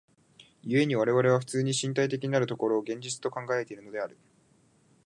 故に我々は普通に身体的なる所を現実と考えているのである。